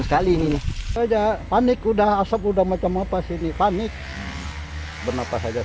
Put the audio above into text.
tersebut juga mengganggu kesalahan pemerintahan